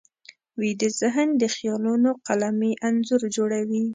ویده ذهن د خیالونو قلمي انځور جوړوي